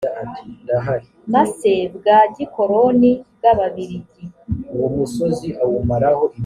masse bwa gikoroni bw ababirigi